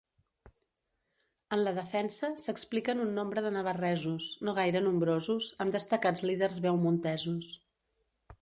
En la defensa s'expliquen un nombre de navarresos, no gaire nombrosos, amb destacats líders beaumontesos.